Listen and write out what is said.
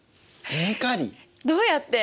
どうやって？